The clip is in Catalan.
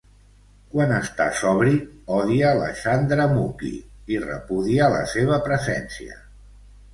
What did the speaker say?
Quan està sobri, odia la Chandramukhi i repudia la seva presència.